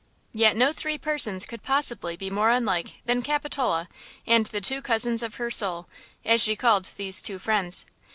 Yet no three persons could possibly be more unlike than Capitola and the two cousins of her soul, as she called these two friends.